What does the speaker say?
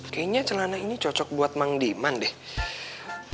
kayaknya celana ini cocok buat mang diman den